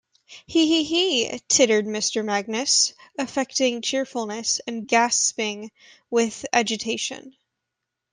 ‘He-he-he,’ tittered Mr. Magnus, affecting cheerfulness, and gasping with agitation.